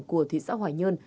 của thị xã hỏa nhơn